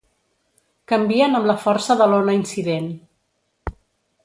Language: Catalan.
Canvien amb la força de l’ona incident.